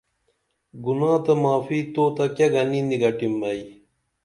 گُناہ تہ معافی تو تہ کیہ گنی نی گٹِم ائی